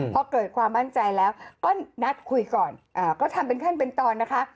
พอเกิดความมั่นใจแล้วก็นัดคุยก่อนก็ทำเป็นขั้นเป็นตอนนะคะ